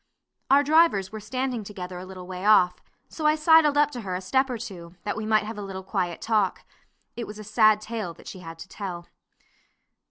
Our drivers were standing together a little way off, so I sidled up to her a step or two, that we might have a little quiet talk. It was a sad tale that she had to tell.